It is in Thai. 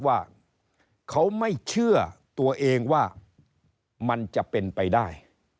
ว่าเขาไม่เชื่อตัวเองว่ามันจะเป็นไปได้